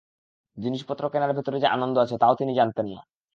জিনিসপত্র কেনার ভেতরে যে আনন্দ আছে, তাও তিনি জানতেন না।